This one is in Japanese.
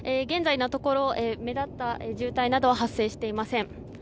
現在のところ目立った渋滞などは発生していません。